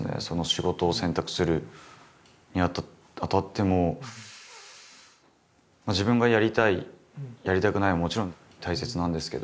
仕事を選択するにあたっても自分がやりたいやりたくないはもちろん大切なんですけど。